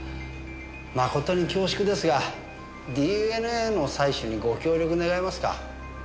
誠に恐縮ですがＤＮＡの採取にご協力願えますか？